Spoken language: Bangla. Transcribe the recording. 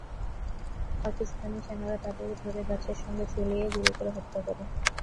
পাকিস্তানি সেনারা তাঁদের ধরে গাছের সঙ্গে ঝুলিয়ে গুলি করে হত্যা করে।